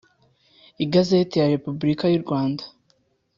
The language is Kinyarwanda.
Igazeti ya Repubulika y’u Rwanda;